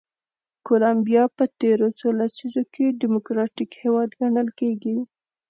کولمبیا په تېرو څو لسیزو کې ډیموکراتیک هېواد ګڼل کېږي.